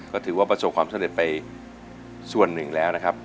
ก็ถือว่าประสบความสำเร็จไปส่วนหนึ่งแล้วนะครับ